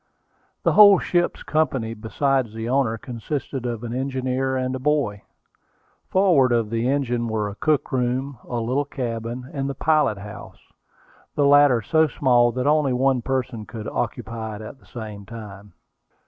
The whole ship's company besides the owner, consisted of an engineer and a boy. Forward of the engine were a cook room, a little cabin, and the pilot house, the latter so small that only one person could occupy it at the same time.